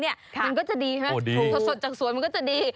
มันก็จะดีสดจากสวนมันก็จะดี